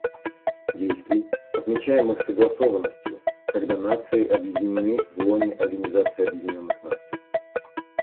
Действий, отмечаемых согласованностью, — когда нации объединены в лоне Организации Объединенных Наций.